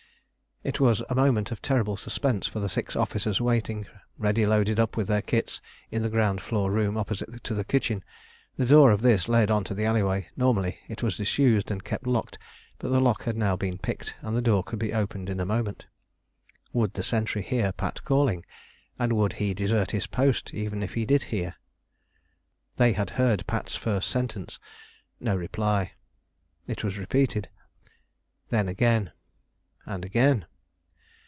It was a moment of terrible suspense for the six officers waiting, ready loaded up with their kits, in the ground floor room opposite to the kitchen. The door of this led on to the alley way; normally it was disused and kept locked, but the lock had now been picked and the door could be opened in a moment. Would the sentry hear Pat calling? And would he desert his post even if he did hear? They had heard Pat's first sentence. No reply. It was repeated, then again and again.